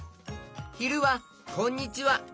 ひるは「こんにちは」。